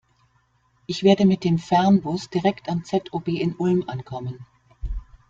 Ich werde mit dem Fernbus direkt am ZOB in Ulm ankommen.